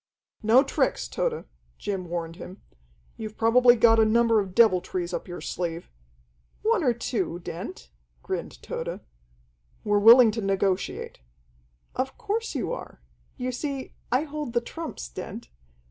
"No tricks, Tode," Jim warned him, "You've probably got a number of deviltries up your sleeve " "One or two, Dent," grinned Tode. "We're willing to negotiate." "Of course you are. You see, I hold the trumps, Dent.